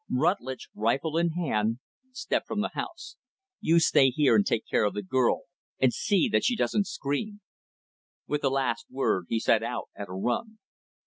Rutlidge, rifle in hand, stepped from the house. "You stay here and take care of the girl and see that she doesn't scream." With the last word he set out at a run.